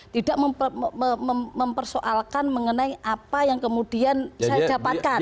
tidak mempersoalkan mengenai apa yang kemudian saya dapatkan